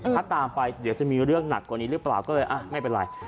ถ้าตามไปเดี๋ยวจะมีเรื่องหนักกว่านี้หรือเปล่าก็เลยไม่เป็นไร